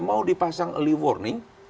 mau dipasang early warning